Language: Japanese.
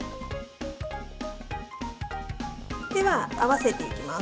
では、合わせていきます。